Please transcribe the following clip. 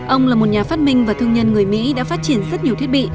ông là một nhà phát minh và thương nhân người mỹ đã phát triển rất nhiều thiết bị